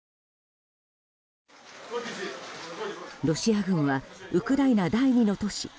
ロシア軍はウクライナ第２の都市